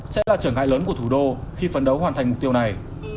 sẽ là trở ngại lớn của thủ đô khi phấn đấu hoàn thành mục tiêu này